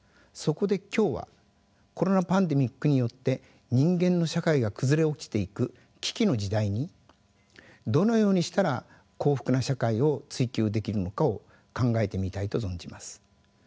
そこで今日はコロナパンデミックによって人間の社会が崩れ落ちていく危機の時代にどのようにしたら幸福な社会を追求できるのかを考えてみたいと存じます。